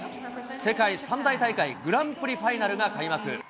世界３大大会、グランプリファイナルが開幕。